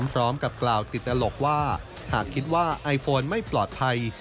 พร้อมกับกล่าวติดตลกว่าหากคิดว่าไอโฟนไม่ปลอดภัย